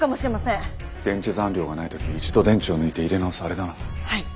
電池残量がない時一度電池を抜いて入れ直すあれだな。